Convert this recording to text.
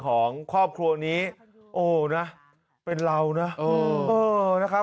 ของควบครัวนี้โอ๊ะนะเป็นเรานะ